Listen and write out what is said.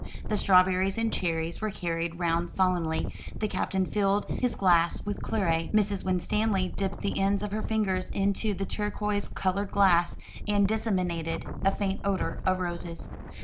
The strawberries and cherries were carried round solemnly, the Captain filled his glass with claret, Mrs. Winstanley dipped the ends of her fingers into the turquois coloured glass, and disseminated a faint odour of roses.